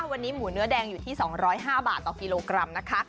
วันนี้หมูเนื้อแดงอยู่ที่๒๐๕บาทต่อกิโลกรัมนะคะ